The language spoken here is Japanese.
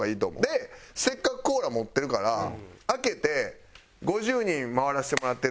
でせっかくコーラ持ってるから開けて「５０人回らせてもらってるんです」